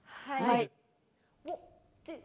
はい。